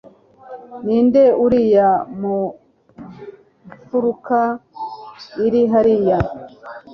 ninde uriya mu mfuruka iri hariya